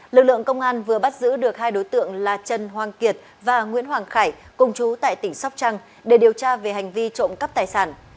lực lượng công an vừa bắt giữ được hai đối tượng là trần hoàng kiệt và nguyễn hoàng khải cùng chú tại tỉnh sóc trăng để điều tra về hành vi trộm cắp tài sản